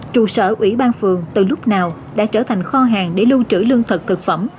trụ sở ủy ban phường từ lúc nào đã trở thành kho hàng để lưu trữ lương thực thực phẩm